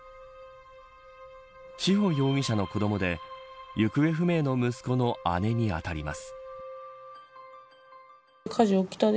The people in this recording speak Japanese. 志保容疑者の子どもで行方不明の息子の姉に当たります。